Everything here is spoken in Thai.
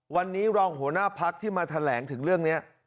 วันนี้รองหัวหน้าพักที่มาแถลงถึงเรื่องนี้